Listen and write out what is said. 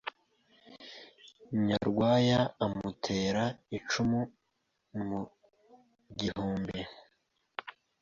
Nyarwaya amutera icumu mu gihumbi